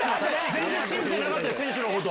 全然信じてなかった選手のこと。